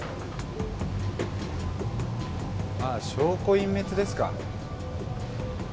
あぁ証拠隠滅ですか？